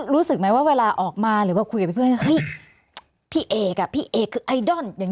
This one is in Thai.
รู้สึกไหมว่าเวลาออกมาหรือว่าคุยกับเพื่อนเฮ้ยพี่เอกอ่ะพี่เอกคือไอดอลอย่าง